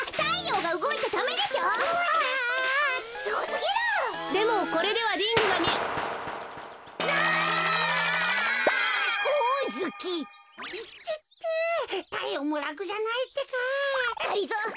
がりぞー。